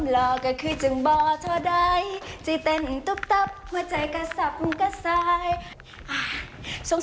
สงสัยอ้ายเล่นของ